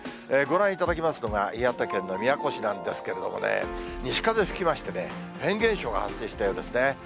ご覧いただきますのが岩手県の宮古市なんですけれども、西風吹きましてね、フェーン現象が発生したようですね。